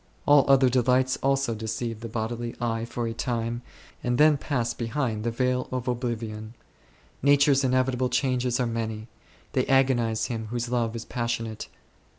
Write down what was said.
All other delights also deceive the bodily eye for a time, and then pass behind the veil of oblivion. Nature's inevitable changes are many ; they agonize him whose love is passionate.